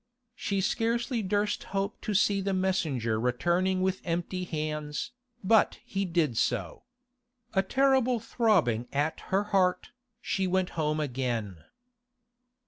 She scarcely durst hope to see the messenger returning with empty hands, but he did so. A terrible throbbing at her heart, she went home again.